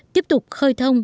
tiếp tục khơi thông